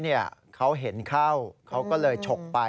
ใช่คนร้ายเห็นเข้าเขาก็เลยฉกไป